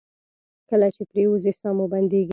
کله چې پریوځئ ساه مو بندیږي؟